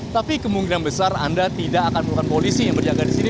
tapi kemungkinan besar anda tidak akan merupakan polisi yang berjaga di sini